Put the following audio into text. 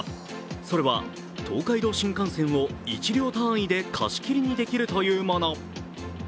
それは東海道新幹線を１両単位で貸し切りにできるというもの。